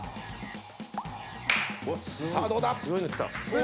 さあどうだ？